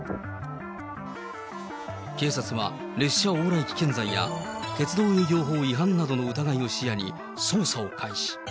警察は、列車往来危険罪や鉄道営業法違反などの疑いを視野に捜査を開始。